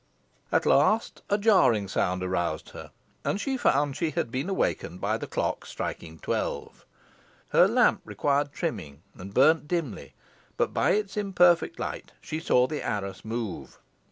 At last a jarring sound aroused her, and she found she had been awakened by the clock striking twelve. Her lamp required trimming and burnt dimly, but by its imperfect light she saw the arras move.